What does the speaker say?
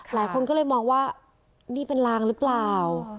หลายคนก็เลยมองว่านี่เป็นลางหรือเปล่า